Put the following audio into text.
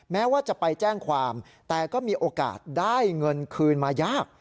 แม้ว่าจะไปแจ้งความแต่ก็มีโอกาสได้เงินคืนมายาก